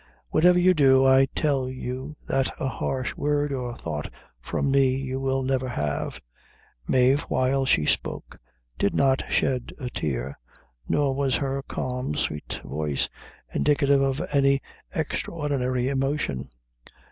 Whatever you do, I tell you that a harsh word or thought from me you will never have." Mave, while she spoke, did not shed a tear; nor was her calm, sweet voice indicative of any extraordinary emotion.